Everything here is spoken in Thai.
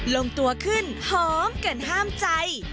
ลงตัวขึ้นหอมเกินห้ามใจ